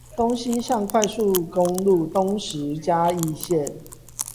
東西向快速公路東石嘉義線